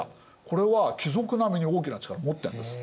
これは貴族並みに大きな力を持ってるんです。